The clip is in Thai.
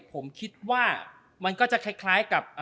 ผมคิดว่ามันก็จะคล้ายกับ